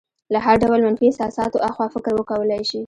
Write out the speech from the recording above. له هر ډول منفي احساساتو اخوا فکر وکولی شي.